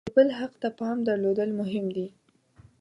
د بل حق ته پام درلودل مهم دي.